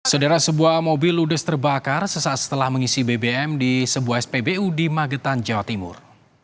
saudara sebuah mobil ludes terbakar sesaat setelah mengisi bbm di sebuah spbu di magetan jawa timur